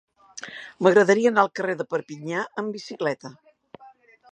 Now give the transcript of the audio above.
M'agradaria anar al carrer de Perpinyà amb bicicleta.